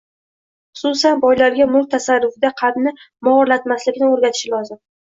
xususan boylarga mulk tasarrufida qalbni mog‘orlatmaslikni o‘rgatishi lozim